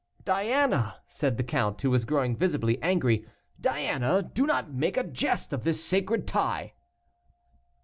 "Diana," said the count, who was growing visibly angry, "Diana, do not make a jest of this sacred tie."